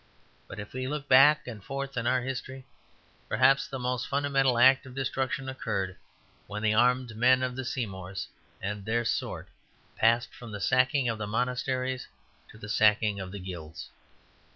But if we look back and forth in our history, perhaps the most fundamental act of destruction occurred when the armed men of the Seymours and their sort passed from the sacking of the Monasteries to the sacking of the Guilds.